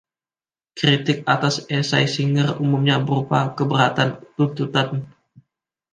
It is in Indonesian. Kritik atas esai Singer umumnya berupa keberatan tuntutan.